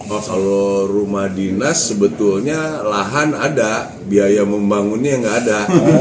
oh kalau rumah dinas sebetulnya lahan ada biaya membangunnya nggak ada